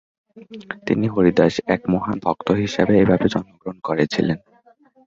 তিনি হরিদাস, এক মহান ভক্ত হিসাবে এইভাবে জন্মগ্রহণ করেছিলেন।